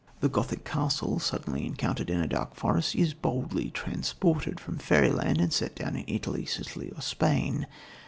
The Gothic castle, suddenly encountered in a dark forest, is boldly transported from fairyland and set down in Italy, Sicily or Spain.